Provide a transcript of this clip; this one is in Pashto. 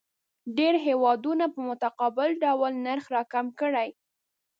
ډېری هیوادونه په متقابل ډول نرخ راکم کړي.